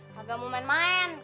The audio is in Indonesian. kagak mau main main